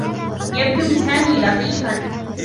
يبدو سامي لطيفا.